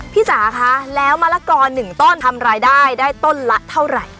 จ๋าคะแล้วมะละกอ๑ต้นทำรายได้ได้ต้นละเท่าไหร่